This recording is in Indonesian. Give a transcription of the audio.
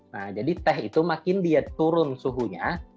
nah jadi teh itu makin dia turun suhunya